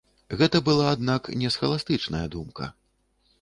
Гэта была, аднак, не схаластычная думка.